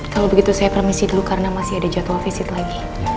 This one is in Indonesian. kalau begitu saya permisi dulu karena masih ada jadwal visit lagi